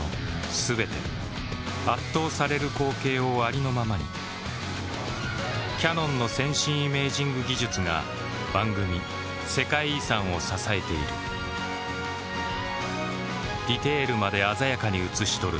全て圧倒される光景をありのままにキヤノンの先進イメージング技術が番組「世界遺産」を支えているディテールまで鮮やかに映し撮る